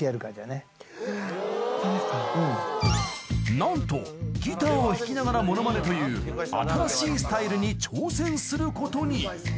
［何とギターを弾きながらモノマネという新しいスタイルに挑戦することに］